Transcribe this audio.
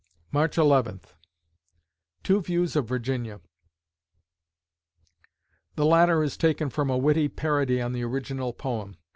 March Eleventh TWO VIEWS OF VIRGINIA (The latter is taken from a witty parody on the original poem.